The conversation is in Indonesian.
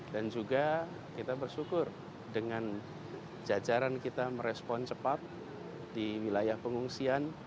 dan juga kita bersyukur dengan jajaran kita merespon cepat di wilayah pengungsian